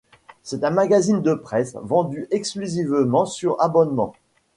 C'est un magazine de presse vendu exclusivement sur abonnement.